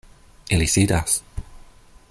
Ili sidas.